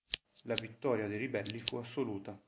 La vittoria dei ribelli fu assoluta.